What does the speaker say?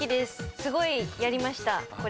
すごいやりました。